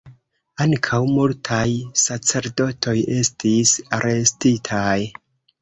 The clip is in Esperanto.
Ankaŭ multaj sacerdotoj estis arestitaj.